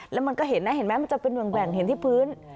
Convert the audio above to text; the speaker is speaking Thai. แล้วมันก็เห็นนะเห็นไหมมันจะเป็นแหว่งเห็นที่พื้น